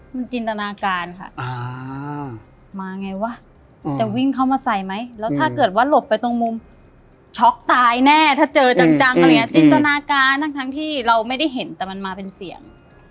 มันจินตนาการค่ะมาไงวะจะวิ่งเข้ามาใส่ไหมแล้วถ้าเกิดว่าหลบไปตรงมุมช็อกตายแน่ถ้าเจอจังอะไรอย่างนี้จินตนาการทั้งที่เราไม่ได้เห็นแต่มันมาเป็นเสียง